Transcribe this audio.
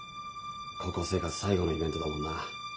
高校生活最後のイベントだもんな？